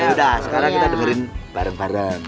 ya udah sekarang kita dengerin bareng bareng